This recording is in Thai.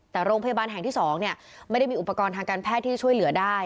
แต่โรงพยาบาลแห่งที่๒ไม่ได้มีอุปกรณ์ทางการแพทย์ที่จะช่วยเหลือได้